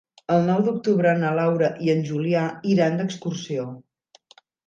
El nou d'octubre na Laura i en Julià iran d'excursió.